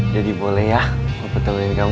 jadi boleh ya opa temenin kamu